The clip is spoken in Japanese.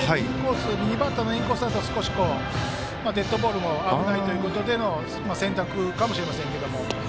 右バッターのインコースだとデッドボールも危ないということでの選択かもしれませんね。